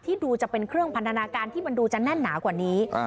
ดูจะเป็นเครื่องพันธนาการที่มันดูจะแน่นหนากว่านี้